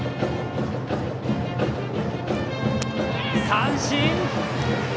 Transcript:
三振！